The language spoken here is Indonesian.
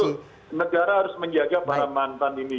itu harus dong negara harus menjaga para mantan ini